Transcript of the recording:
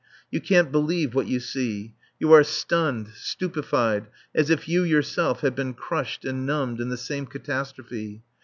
You can't believe what you see; you are stunned, stupefied, as if you yourself had been crushed and numbed in the same catastrophe.